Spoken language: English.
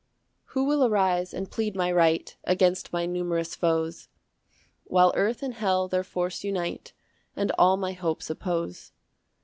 1 Who will arise and plead my right Against my numerous foes, While earth and hell their force unite, And all my hopes oppose?